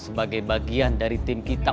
sebagai bagian dari tim kita